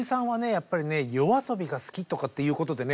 やっぱりねＹＯＡＳＯＢＩが好きとかって言うことでね